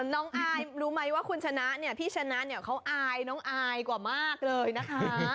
น้องอายรู้ไหมว่าคุณชนะเนี่ยพี่ชนะเนี่ยเขาอายน้องอายกว่ามากเลยนะคะ